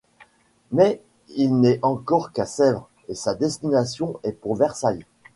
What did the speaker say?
Mais il n’est encore qu’à Sèvres, et sa destination est pour Versailles.